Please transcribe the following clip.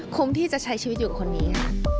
คุ้มที่จะใช้ชีวิตอยู่กับคนนี้ค่ะ